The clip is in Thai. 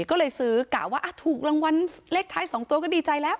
ก็เลยซื้อกะว่าถูกรางวัลเลขท้าย๒ตัวก็ดีใจแล้ว